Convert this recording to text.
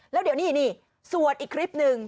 แล้วเดี๋ยวนี่ส่วนอีกคลิปหนึ่ง